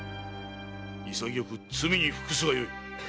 潔く罪に服すがよい！